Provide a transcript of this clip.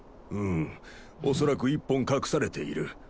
うん恐らく１本隠されている。